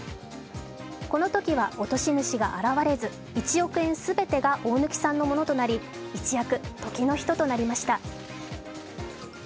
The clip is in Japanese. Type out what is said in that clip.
このときは落とし主が現れず、１億円全てが大貫さんのものとなり一躍時の人となりました。